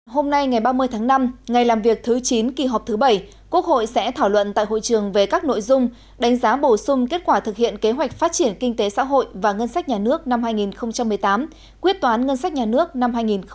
hôm nay ngày ba mươi tháng năm ngày làm việc thứ chín kỳ họp thứ bảy quốc hội sẽ thảo luận tại hội trường về các nội dung đánh giá bổ sung kết quả thực hiện kế hoạch phát triển kinh tế xã hội và ngân sách nhà nước năm hai nghìn một mươi tám quyết toán ngân sách nhà nước năm hai nghìn một mươi bảy